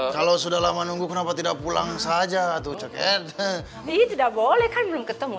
kalau sudah lama nunggu kenapa tidak pulang saja ini tidak boleh kan belum ketemu